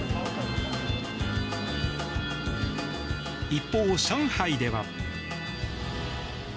一方、上海では。